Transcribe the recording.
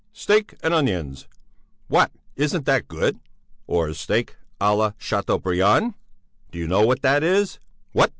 Steak and onions! What! Isn't that good? Or steak à la Châteaubriand! Do you know what that is? What?